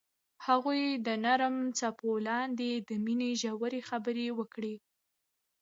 هغوی د نرم څپو لاندې د مینې ژورې خبرې وکړې.